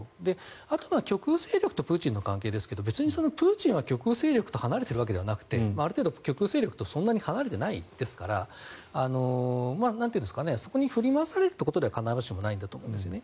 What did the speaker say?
あとは極右勢力とプーチンの関係ですが別にプーチンは極右勢力と離れているわけではなくてある程度、極右勢力とそんなに離れていないですからそこに振り回されるということでは必ずしもないんだと思います。